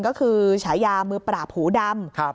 ก็คือฉายามือปราบหูดำ